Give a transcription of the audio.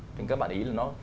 thì các bạn để ý là nó